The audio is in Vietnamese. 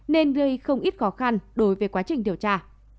nên gây không ít khó khăn đối với quá trình điều tra